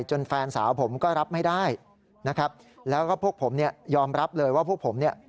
แฟนสาวผมก็รับไม่ได้นะครับแล้วก็พวกผมเนี่ยยอมรับเลยว่าพวกผมเนี่ย